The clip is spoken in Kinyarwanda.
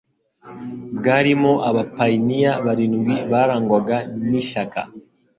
bwarimo abapayiniya barindwi barangwaga n ishyaka